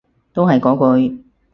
都係嗰句